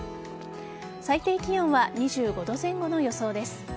最低気温は２５度前後の予想です。